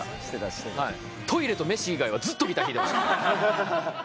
トイレと飯以外はずっとギター弾いてました。